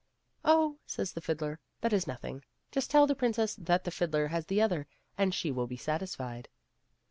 " Oh," says the fiddler, " that is nothing ; just tell the princess that the fiddler has the other, and she will be satisfied."